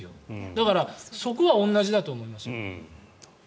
だからそこは同じだと思います。